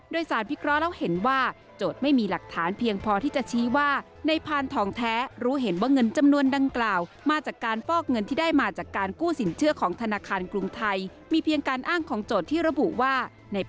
โดยสารพิเคราะห์แล้วเห็นว่าโจทย์ไม่มีหลักฐานเพียงพอที่จะชี้ว่า